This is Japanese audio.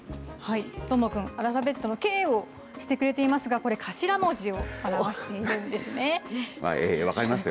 どーもくん、アルファベットのＫをしてくれていますが、これ、頭文字を表しているんですよ。